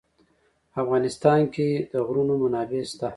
په افغانستان کې د غرونه منابع شته.